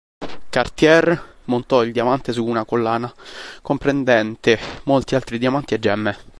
Cartier montò il diamante su una collana comprendente molti altri diamanti e gemme.